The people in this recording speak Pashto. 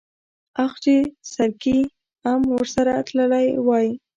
اخ چې سرګي ام ورسره تلی وای.